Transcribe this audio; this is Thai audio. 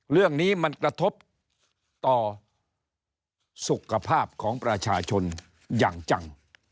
เรื่องนี้มันกระทบต่อสุขภาพของประชาชนอย่างจัง